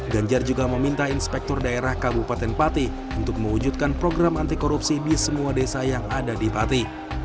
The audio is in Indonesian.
ganjar juga meminta inspektur daerah kabupaten pati untuk mewujudkan program anti korupsi di semua desa yang ada di pati